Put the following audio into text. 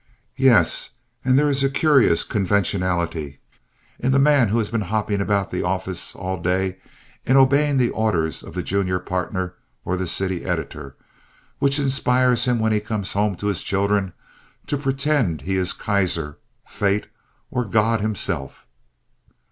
Yes, and there is a curious conventionality in the man who has been hopping about the office all day in obeying the orders of the junior partner or the city editor, which inspires him when he comes home to his children to pretend that he is Kaiser, Fate, or God Himself.